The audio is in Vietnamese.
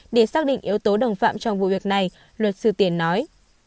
để xác định yếu tố đồng phạm trong vụ việc này luật sư tiền nói